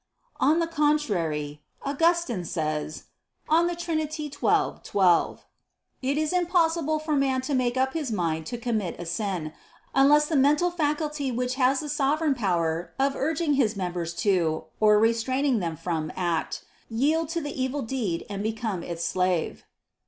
On the contrary, Augustine says (De Trin. xii, 12): "It is impossible for man to make up his mind to commit a sin, unless that mental faculty which has the sovereign power of urging his members to, or restraining them from, act, yield to the evil deed and become its slave."